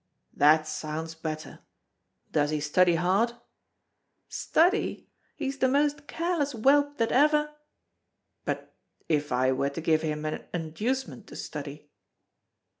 "That sounds better. Does he study hard?" "Study! He is the most careless whelp that ever " "But if I were to give him an inducement to study?"